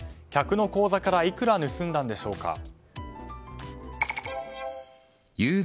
客の口座からいくら盗んだんでしょうか。